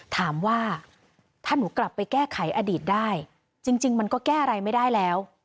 ถามว่าถ้าหนูกลับไปแก้ไขอดีตได้จริงมันก็แก้อะไรไม่ได้แล้ว